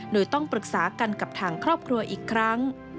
โดยต้องปรึกษากันกับทางครอบครัวอีกครั้ง